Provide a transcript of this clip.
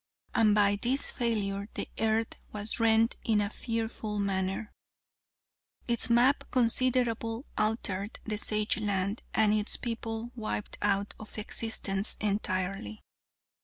And by this failure the earth was rent in a fearful manner, its map considerably altered and Sageland and its people wiped out of existence entirely.